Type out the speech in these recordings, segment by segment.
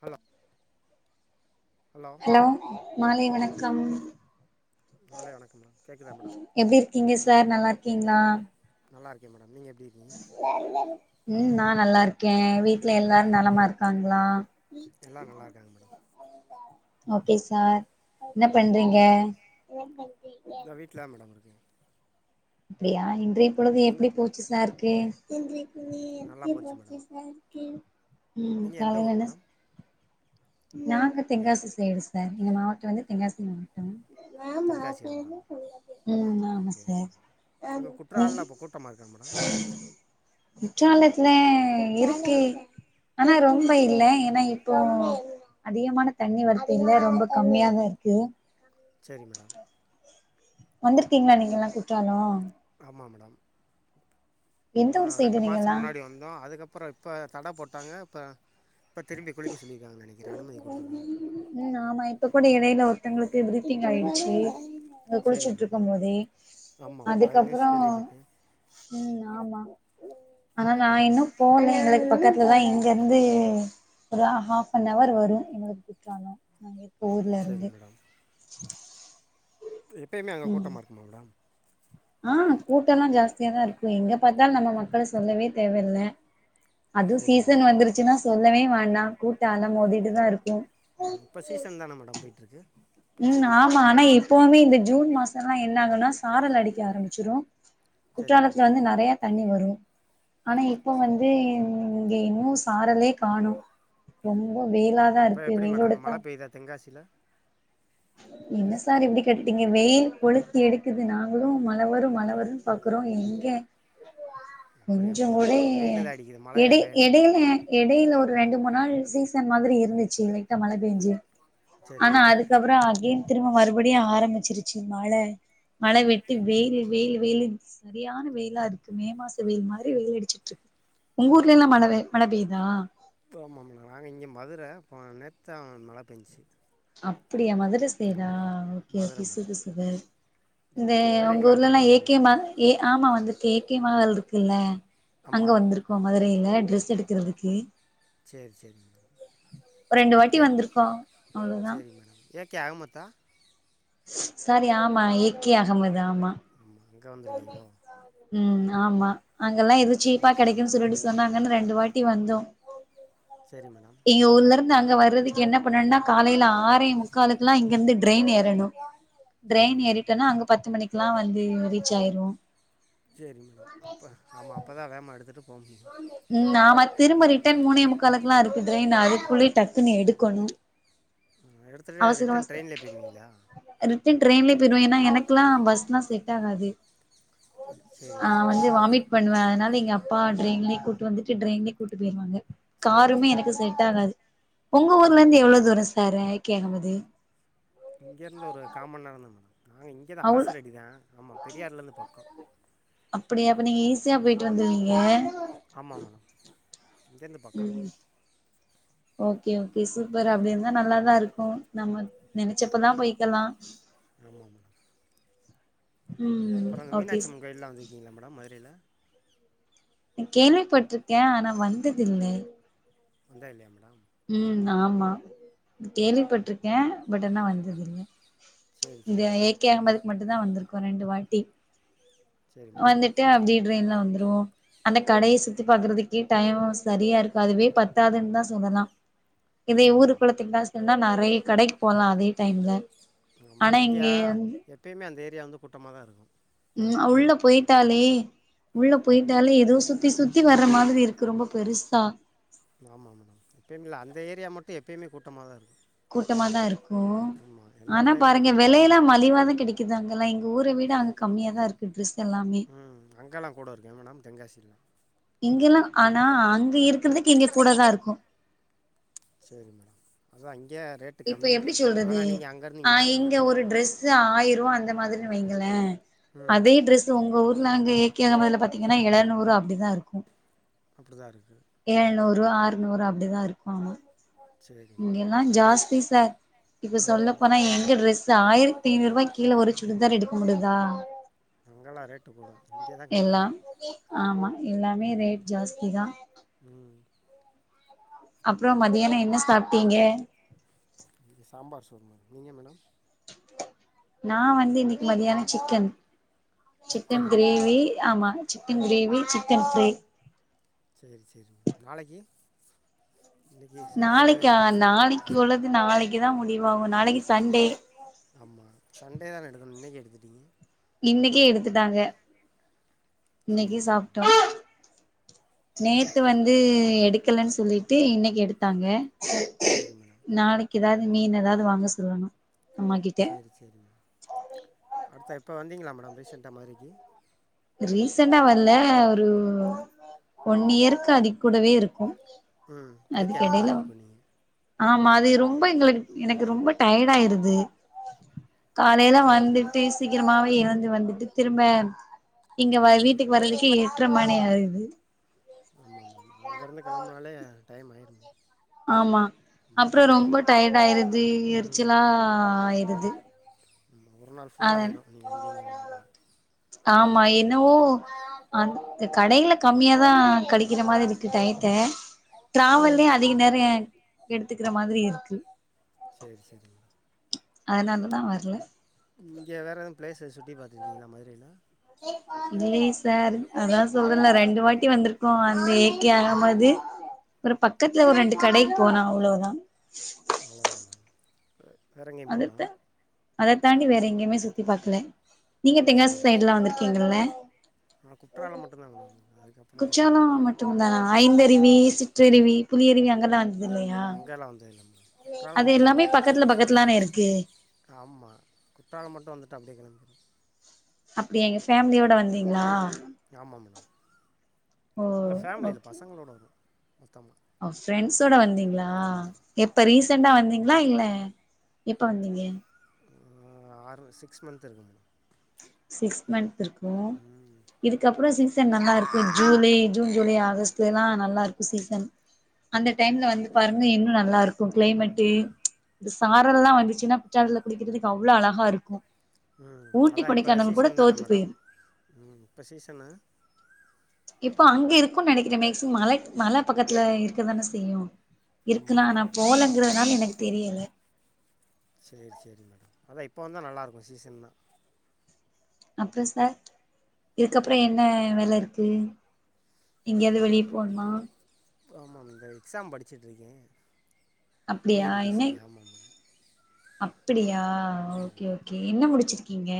hello hello மாலை வணக்கம் மாலை வணக்கம் மேடம் கேட்குதா மேடம் எப்டி இருக்கீங்க சார் நல்லா கிங்களா நல்லா இருக்க மேடம் நீங்க எப் ம் நான் நல்லா இருக்கே வீட்ல எல்லாரு நலமா இருக்காங்களா எல்லா நல்லா இருக்காங்க மேடம் ஓகே சார் என்ன பண்றீங்க இந்த வீட்டில் தான் மேடம் இருக்கேன் அப்டியா இன்றைய பொழுது எப்டி நீங்கள் போச்சு சாருக்கு [unintelligible] நல்லா போச்சு மேடம் [unintelligible] ம் நீங்கள் எந்த காலைல ஊர் என்ன மேடம் சாப் நாங்க தென்காசி செய்டு சார் எங்க மாவட்டோ வந்து தென்காசி மாவட்டோ தென்காசியா மேடம் ம் ஆமா ஓகே ஓகே சார் இப்போ அங்கே குற்றாலில் இப்போ கூட்டமாக இருக்கா மேடம் குற்றாலத்துல இருக்கு ஆனா ரொம்ப இல்ல ஏனா இப்போ அதிகமான தண்ணி வரத்து இல்ல ரொம்ப கம்மியாதா இருக்கு [inaudible] சரி மேடம் வந்திருக்கீங்களா நீங்கல்லா குற்றாலோ மா மேடம் எந்த போன ஊர் சைடு ரெண்டு மாசோ நீங்கல்லா முன்னாடி வந்தோ அதுக்கப்பறப் இப்ப தட போட்டாங்க இப்ப இப்ப திரும்பி குளிக்க சொல்லிருக்காங்க நெனைக்குற அனுமதி குடுத்துருக்காங்க ம் ஆமா இப்ப கூட இடையில ஒருத்தங்களுக்கு பிரீத்திங் ஆயிடுச்சு அ சரி மேடம் குளிச்சுட்ருக்கும் போதே ஆமாம் மேடம் அது நியூஸ் அதுக்கப்புறோ கேள்விப்பட்டேன் ம் ஆமா ஆனா நா இன்னும் போல எங்களுக்கு பக்கத்துலதா இங்க இருந்து ஒரு ஹாஃப்பனவர் வரூ எங்களுக்கு குற்றாலோ [inaudible] ஊர்ல இருந்து பே எப்பையுமே அங்க ம் கூட்டமா இருக்குமா மேடம் ஆ கூட்டல்லா ஜாஸ்தியாதா இருக்கும் எங்க பாத்தாலும் நம்ம மக்கள சொல்லவே தேவையில்ல அதுவு சரி மேடம் சீசன் வந்துருச்சுன்னா சொல்லவே வேண்டா கூட்ட அல மோதிட்டு தா இருக்கும் ம் இப்ப சீசன் தானே மேடம் போயிட்ருக்கு ம் ஆமா ஆனா இப்பவுமே இந்த ஜூன் மாசோல்லா என்ன ஆகுனா சாரல் அடிக்க ஆரம்பிச்சிரூ சரி மேடம் குற்றாலத்துல வந்து நறையா தண்ணி வரூ ஆனா இப்போ வந்து இங்க இன்னு சாரலே காணு ரொம்போ ம், வெயிலாதா இப்போ இருக்கு எப்படி மேடம் வெயிலோட அங்கே தா மழை பெய்யுதா தென்காசியில் என்ன சார் இப்டி கேட்டீங்க வெயில் கொளுத்தி எடுக்குது நாங்களும் மழ வரூ மழ வரும்ன்னு பாக்குறோ எங்க அப்படியா கொஞ்சோ மேடம் உடே வெயில் தான் அடிக்குது மழையே எடை பெய்யல எடையில எடையில ஒரு ரெண்டு மூண் நாள் சீசன் மாதிரி இருந்துச்சு லைட்டா மழை பேஞ்சு சரி மேடம் அகேன் திரும்ப மறுபடியும் ஆரம்பிச்சிருச்சு மழை மழை வட்டு வெயில் வெயில் வெயிலுன் சரியான வெயிலா இருக்கு மே மாசோ வெயில் மாரி வெயில் அடிச்சிட்ருக் உங்க ஊர்ல எல்லா மழை பே மழை பேய்யுதா [unintelligible] நாங்க இங்க மதுர போன நேத்தா மழை பேஞ்சுச்சு [unintelligible] ப்படியா மதுர சைடா ஓகே மதுரை ஓகே மேடம் சுக சுகர் இந்த உங்க மதுரைக்கெல்லாம் ஊர்லல்லா வந்திருக்கீங்களா ஏகே மேடம் மா ஏ ஆமா வந்துருக்கே க்கியமான வேல்ட்ருக்குல்ல அங்க ஆமாம் வந்துருக்கோ மதுரையில ட்ரெஸ் எடுக்குறதுக்கு சரி சரி மேடம் ரெண்டு வாட்டி வந்துருக்கோ செரி மேடம் ஏக் கிய அகமத்தா சரி ஆமா ஏ கே அகமது ஆமா எங்க வந்துருக்கீங்களோ ம் ஆமா அங்கல்லா எதோ சீப்பா சரி கடைக்குன்னு சொல்ட்டு சொன்னாங்கன்னு ரெண்டு வாட் டி வந்தோ சேரி மேடம் எங்க ஊர்ல அங்க வர்றதுக்கு என்ன பண்ணுனா காலையிலே ஆறே முக்காலுக்கெல்லா இங்கிருந்து ட்ரெயின் ஏறணு சரி ட்ரெயின் மேடம் ஏரிட்டேனா அங்க பத்து மணிக் லா வந்து இங்க ரீச் ஆயிருவோ சேரி மேடம் அப்ப ஆமா அப்பதா வேகமா எடுத்துட்டு ம் நாம திரும்ப ரிட்டன் மூணே முக்கா கல்கெல்லா இருக்குது ட்ரெயின் அதுக்குள்ளயே டக்குன்னு எடுக்கணு அ எடுத்துட்டு ரிட்டன் ட்ரெயின்லே போய்டுவீங்ளா ரிட்டர்ன் ட்ரெயின்லேயே போய்டுவே ஏனா எனக்குல்லா பஸ்லா செட்டாகாது சரி நா மேடம் வந்து வாமிட் பண்ணுவே அதனால எங்க அப்பா ட்ரெயின்லே கூட்டு வந்துட்டு ட்ரெயின்லேயே கூட்டு போய்டுவாங்க சரி காருமே சரி எனக்கு மேடம் செட்டாகாது உங்க சரி ஊர்லருந்து மேடம் எவ்ளோவு தூரோ சாரே கே அஹமது இங்கேருந்து ஒரு கா மண் நேரோ தா மேடம் நாங்க இங்க தா அவ்ளோ அரசரடிதா ஆமா பெரியார்லருந்து பக்கோ அப்போ நீங்க ஈஸியா போயிட்டு வந்துருவிங்க ஆமா மேடம் இங்கேருந்து பக்கோ தா ம் ஓகே ஓகே சூப்பர் அப்புடி இருந்தா நல்லாதா இருக்கு நம்ம நினைச்சப்பலா போய்கலா ஆமாமா ம் அப்புறோ அந்த ஓகே மீனாட்சி ஸ் அம்மன் கோயில்லா வந்துருக்கீங்ளா மேடம் மதுரையிலே ம் கேள்விப்பட்ருக்கே ஆனா வந்ததுதில்லை வந்ததுதில்லயா மேடம் ம் ஆமா கேள்விப்பட்ருக்கே பட் ஆனா வந்ததுதில்ல சரி இந்த சரி ஏ மேடம் கே அகமது மட் தா வந்துருக்கோ ரெண்டு வாட்டி சரி மேடம் வந்துட்டு அப்டியே ட்ரெய்ன்ல வந்துருவோ அந்த கடைய சுத்தி பாக்கறதுக்கே டைம் சரியா இருக்கு அதுவே பத்தாதுன் தா சொல்லலா இதய ஊரு ஆமாம் மேடம் குளத்துக்கு தா சொன்னா நறைய கடைக்கு போலா அதே டைம்ல ஆனா இங்க மஞ்சா வந்து எப்பயுமே அந்த ஏ ரியா வந்து கூட்டமா தா இருக்கு ம் உள்ள போய்ட்டாலே உள்ள ம் போயிட்டாலே ஏதோ சுத்தி சுத் த்தி வர்ற மாதிரி இருக்கு ரொம்ப பெருசா ஆமா மேடம் எப்பயுமில்ல அந்த ஏரியா மட்டு எப்பயுமே கூட்டாமாதா இருக்கு கூட்டமாதா இருக்கு ஓ எல்லா ஆனா டைமுமே பாருங்க கூட்டமாக தான் வெலையெல்லா இருக்கும் மலிவாதா கிடைக்குது அங்கெல்லா இங் ஊர விட அங்க கம்மியா தா இருக்கு டிரெஸ் உம் அங்கெல்லா கூட இருக்குங்கமேடம் தென்காசில்லா இங்கெல்லா ஆனா அங் இருக்குறதுக் இங்க கூட தா இருக்கு அதாங்கி இப்ப எப்டி சொல்றது ஆ இங்கே வரணும் இங்க ஒரு ட்ரெஸ்சு ஆய் ருவா அந்த மாதிரி வைங்களே ம் அதே ட்ரெஸ் உங்க ஊர் லாங்கு ஏ கே அகமதுல பாத்தீங்கன்னா எழநூறு அப்டிதா இருக்கு அப்டிதா இருக்கு ரூவா ஆற்நூறு அப்டிதா இருக்குமாமா சரி இங்க மேடம் எல்லா அதாங்க ஜாஸ்தி சார் இப்போ சொல்ல ம் போன்னா எங்க டிரஸ்சு ஆயிரத்தி ஐநூறு ரூவா கீழ ஒரு [unintelligible] எடுக்க முடுதா அங்கெல்லாம் ரேட்டு கூட இங்கே தான் கம்மி எல்லாம் ஆமா எல்லாமே ரேட் ம் ஜாஸ்தி தா ம் அப்றோ மதியான என்ன சாப்ட்டீங்க இங்க சாம்பார் சோறு மேடம் நீங்க மேடம் நா வந்து இன்னிக்கு மதியான சிக்கன் சிக்கன் சிக்கனா க்ரேவி ஆமா சிக்கன் க்ரேவி சிக்கன் ஃப்ரை சேரி சேரி நாளைக்கு இன்றைக்கி சாட்டர்டேவே நாளைக்கா எடுத்துட்டீங்க நாளைக்கு உள்ளது நாளைக்குதா முடிவாகு நாளைக்கு சண்டே எப்டிங்க இன்னைக்கே எடுத்துட்டாங்க சரி இன்னைக்கு சரி சாப்ட்டோ மேடம் நேத்து சரி வந்து உ எடுக் க்கலேன் சொல்லிட்டு இன்னைக்கு எடுத்தாங்க சரி மேடம் நாளைக் எதாவது மீன் எதாவது வாங்க சொல்லணு அம்மா கிட்ட சேரி சேரி அடுத்த இப்ப வந்தீங்களா மேடம் ரீசண்டா மதுரைக்கு ரீசண்டா வர்ல ஒரு ஒன் இயருக்கு அதி கூடவே இருக்கு ம் அதுக்கு [unintelligible] எடையில வந்துட்டு போனிங்க ஆமா அது ரொம்ப எங்களுக்கு எனக்கு ரொம்ப டயர்ட் ஆயிருது காலையில சரி மேடம் வந்துட்டு சீக்கரமா எழுந்து வந்துட்டு திரும்ப இங்க வ வீட்டுக்கு வரதுக்கே எட்ர மணி ஆகுது [unintelligible] ஆமாமாமா அங்கருந்து கெளம்புனாலே டைம் ஆயிருமே ஆமா அப்ற ஆமாம் அப் ரொம்ப டயர்டு ஆயிருது ம் எரிச்சலா ஆயிருது ஒரு நாள் ஃபுல்லா அத ஆயிரு நீங்க வந்திங்கனா ஆமா என்னவோ அந் கடையில கமியாதா கழிக்கற மாரி இருக்கு டயத்த ம் டிராவல்லயே அதிக நேர எடுத்துக்கிற மாதிரி இருக்கு சேரி செரிங்மா அதனாலதா நா வரல இங்க வேறெதுவு ப்ளேஸ சுத்தி பாத்துருக்கிங்ளா மதுரைல இல்லைங் சார் அதா சொல்றன்ல ரெண்டு வாட்டி வந்திருக்கோ அந்த ஏகே அகமது ஒரு பக்கத்துல ஒரு ரெண்டு கடைக்கு போனோ அவ்ளவ்தா வெ வேறங்கயு போல அதத்த அத தாண்டி வேற எங்கயுமே சுத்தி பாக்ல நீங்க தென்காசி சரி சரி சைடுலா வந்திருக்கிங்லான நான் குற்றாலம் மட்டும்தான் மேடம் வந்தேன் அதுக்கப்புறம் வேறு குற்றால மட்டும் தானா ஐந்தருவி சிற்றருவி புலியருவி அந்த [unintelligible] அங்கெல்லா வந்தது இல்ல மேடம் குற்றாலம் அது மட்டுந்தா எல்லாமே வருவோ பக்கத்துல பக்கத்துலானே இருக்கு ஆமா குற்றாலம் மட்டு வந்துட் அப்டியே கெளம்பிருவோ அப்படியா எங்க ஃபேமிலியோட வந்தீங்களா ஆமா மேடா ஓ இல்ல ஃபேமிலி இல் பசங்களோட வந்தோ மொத்த ஒ பிரான்ஸ் ஓட வந்தீங்களா எப்ப ரீச சண்டா வந்தீங்களா இல்ல எப்ப வந்தீங்க ஆ ஆறு சிக்ஸ் மந்த் இருக்கு மேடம் சிக்ஸ் மந்த் இருக்கும் ம் இதுக்கப்புறம் சிக்ஸ் சீசன் நல்லா இருக்கும் ஜூலை ஜூன் ஜூலை ஆகஸ்ட்ல எல்லாம் நல்லா இருக்கும் சீசன் அந்த டைம்ல வந்து பாருங்க இன்னும் நல்லா இருக்கும் கிளைமேட்டு இந்த சாரல் எல்லாம் வந்துச்சின்னா குற்றாலத்துல குலிக்கிறதுக்கு அவ்வளவு அழகா இருக்கும் உம் அதா இப்ப சீசன் தானே மேடம் உம் யிப்ப சீசனு இப்போ அங்க இருக்குன்னு நெனைக்கிறன் மேக்சிமம் மலை மல பக்கத்துல இருக்குதான செய்யும் இருக்குலாம் ஆமாம் நா போலங்கறதுனால யெனக்கு தெரியல சேரி செரி மேடம் அதா இப்பவந்தா நல்லாருக்கும் சீசன்லா அப்றம் சார் இதுக்கப்புறம் யென்ன வேலருக்கு யெங்கேயாது வெளிய இருந்தாலும் போணுமா ட்டுருக்கே டி அப்டியா ன் பி ஸ் சி க்கு ஆமா அப் அப்படியா ஓகே ஓகே யென்ன முடிச்சு ருக்கீங்க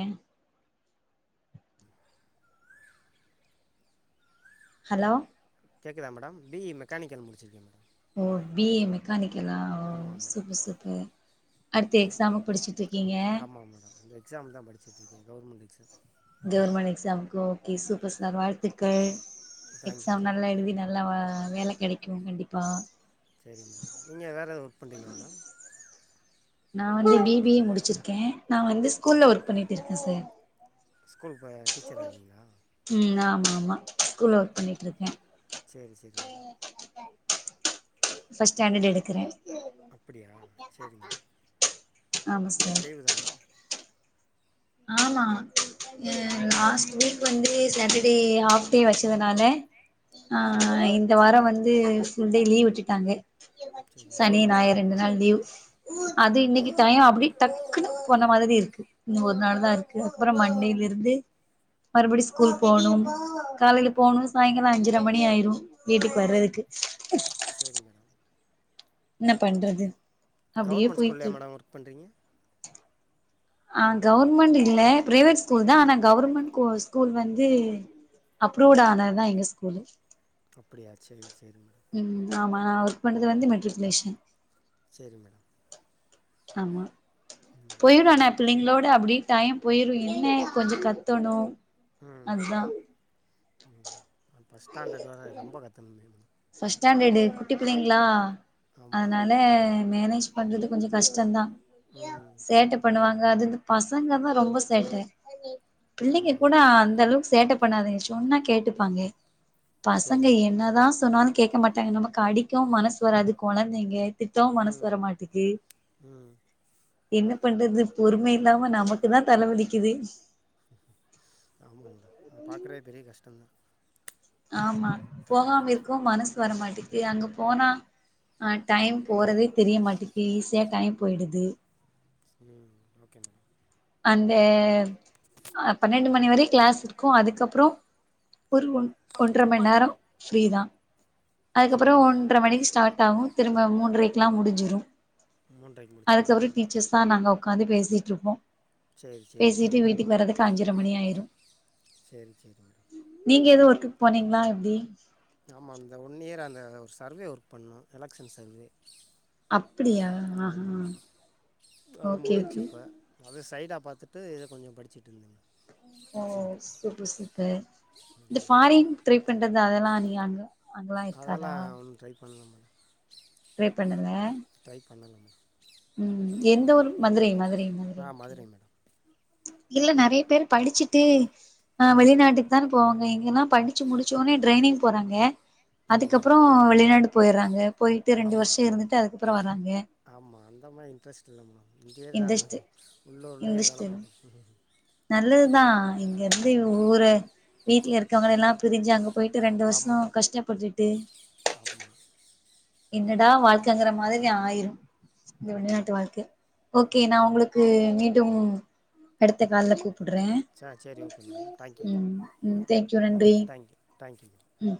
ஹலோ கேக்குதா மேடம் பி ஈ மெக்கானிக்கல் முடிச்சிருக்கே மேடம் ஓ பி ஈ மெக்கானிக் கலா ஆமாம் மேடம் சூப்பர் சூப்பர் அடுத்து எக்ஸாமுக்கு படிச்சுட்ருக்கீங்க ஆமாம் மேடம் யிந்த எக்ஸாம் தான படிச்சுட்டுருக்கே கவர்மெண்ட் எக்ஸாம் கவர்மெண்ட் எக்ஸாம்க்கு ஓகே சூப்பர் சார் வாழ்த்துக்கள் தேங்க்யூ எக்ஸாம் மேடம் நல்லா யெழுதி நல்லா வேல கெடைக்கும் கண்டிப்பா சரி மேம் நீங்க வேற யேதாது ஒர்க் பண்ணுறீங்களா மேம் நா வந்து பி பி ஏ முடிச்சிருக்கேன் நான் வந்து ஸ்கூல்ல ஒர்க் பண்ணிட்டுருக்கேன் சார் ஸ்கூல் ப டீச்சரா நீங்க உம் ஆமா ஆமா ஸ்கூல்ல ஒர்க் பண்ணிட்ருக்கே சேரி சேரி மேடம் ஃபர்ஸ்ட் ஸ்டாண்டர்டு எடுக்றே அப்படியா சேரி மேடம் ஆமா இன்னைக்கு சார் லீவு தானா ஆமா ஹ் லாஸ்ட் வீக் வந்து சாட்டர்டே ஹாஃப் டே வச்சதுனால சரி ஆஹ் மேடம் இந்த வார வந்து ஃபுல் டே லீவு விட்டுட்டாங்க சரி சனி கவர்மெண்ட் நாயரு ஸ்கூலா ரெண்டு மேடம் நாள் லீவ் அது இன்னைக்கு டையோ அப்டி டக்குன்னு போன மாதிரிருக்கு இந்த ஒர்க் நல்லா இருக்கு அப்புற மண்டேலெருந்து மறுபடியு ஸ்கூல் போனும் காலையில போணும் சாயங்கால அஞ்சரை மணி ஆயிரு வீட்டுக்கு வர்றதுக்கு சேரி மேடம் என்ன பண்றது அப்டியே கவர்மெண்ட் ஸ்கூல்லையா போய்ட்ருக் மேடம் ஒர்க் பண்ணுறீங்க ஆஹ் கவுவர்மெண்ட் இல்ல பிரைவேட் ஸ்கூல் தா ஆனா கவர்மெண்ட் கொ ஸ்கூல் வந்து அப்ரூவ்ட் ஆனதுதா எங்க ஸ்கூலு அப்டியா செரி செரி மேடம் ம் ஆமா நா ஒர்க் பண்றது வந்து மெட்ரிகுலேஷன் செரி மேடம் ஆமா ம் ஓகே போய்ர்வானப் மேடம் எங்களோட அப்டி டைம் போயிரு என்ன கொஞ்சொ கத்தணு அதுதா ம் ஃபஸ்ட் ஸ்டாண்டட் இதுவத ரொம்ப கத்தனுமே ஃபஸ்ட் ஸ்டாண்டர்டு குட்டி பிள்ளைங்களா ஆமாம் அதனால மேனேஜ் பண்றது கொஞ்சொ கஷ்டந்தா ம் சேட்ட பண்ணுவாங்க அது இந்தப் பசங்க தா ரொம்ப சேட்ட பிள்ளைங்க கூட ஆமாம் அந்த அளவுக்கு சேட்ட பண்ணாதுங்க சொன்னா கேட்டுப்பாங்க பசங்க சரி மேடம் என்னதா சொ ன்னாலு கேக்க மாட்டாங்க நமக்கு அடிக்கவு மனசு வராது கொழந்தைங்க திட்டவு மனசு ம் வரமாட்டுக்கு ம் என்ன பண்றது பொறுமை இல்லாம நமக்கு தா தலவலிக்குது ஆமா மேடம் அத பாக்கறதே பெரிய கஷ்டம தா துக்கு அங்க போனா அ டைம் போறதே தெரிய மாட்டிக்கு ஈஸியா டைம் போயிடுது ம் ஓகே மேடம் அந்த அ பன்னெண்டு மணி வரையு கிளாஸ் இருக்கு அதுக்கப்றோ ஒரு ஒன் ஒன்ர மண் நேரோ ஃப்ரீ தா அதுக்கப்றோ சரி மேடம் ஒன்ர மணிக்கு ஸ்டார்ட் ஆகு திரும்ப மூன்ரைக்லா முடிஞ்சிரு மூன்றைக்கு முடிச்சிடுவீங்க அதுக்கப்றோ மேடம் டீச்சர்ஸ்லா நாங்க உக்காந்து பேசிட்ருப்போ சரி சரி ஓகே பேசிட்டு மேடம் வீட்டுக்கு வரதுக்கு அஞ்சர மணி ஆயிரு சரி சரி மேடம் நீங்க எதோ ஒர்க்கு போனீங்ளா எப்டி ஆமா அந்த ஒன் இயர் அந்த ஒரு சர்வே ஒர்க் பண்ணோ எலெக்ஷன் சர்வே அப்பிடியா ஆஹா ஆமாம் மேடம் ஓகே ஓகே சைடா பாத்துட்டு இத கொஞ்சோ படிச்சுட்டு இருந்தே மேடம் ஓ எக்ஸாமுக்கு சூப்பர் சூப்பர் இந்த ஃபாரின் ட்ரை பண்றது அதெல்லா இல்லையாங்க அங்கெல்லா இருக்காதா பண்ல மேடம் ட்ரை பண்ணல பண்ணல மேம் ம் எந்த ஊரு மதுரை மது ஆ மதுரை மேடம் இல்ல நெறய பேரு படிச்சிட்டு ஆ ம் வெளிநாட்டுக்கு தான போவாங்க இ ங்கல்லா படிச்சு முடிச்சோன்னே ட்ரைனிங் போறாங்க ஆமாம் அதுக்கப்பறோ மேடம் வெளிநாடு போயர்றாங்க போயிட்டு ரெண்டு வர்ஷோ இருந்துட்டு அதுக்க ப்பறோ வராங் ஆமா அந்த மார் இன்ட்ரஸ்ட் இல்ல மேம் இங்கயே தா இன்டஸ்ட்டு மேடம் உள்ளூர்லே வேல இன்டஸ்ட்டு பாக்கனு நல்லதுதா இங்கருந்து ஊர வீட்ல இருக்கறவங்களெல்லா பிரிஞ்சு அங்க போயிட்டு ரெண்டு வர்ஷோ ஆமாம் கஷ்டப்பட்டுட்டு ஆமாம் என்னடா வாழ்க்கங்கற மாதிரி ஆயிரு இந்த ஆமாம் வெள்நாட்டு வாழ்க்க ஓகே நா உங்களுக்கு க்கு மீண்டும் அடுத்த கால்ல கூப் பிடுறே சரி சரி ஓகே மேடம் தேங்க்யூ மேடம் ம் ம் தேங்க்யூ ம் நன்றி தேங்க்யூ தேங்க்யூ மேடம் ம்